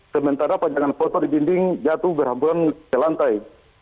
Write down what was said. sementara panjangan foto di dinding jatuh berhamburan ke lantai